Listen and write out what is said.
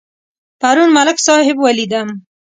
پرون ملک صاحب ولیدم.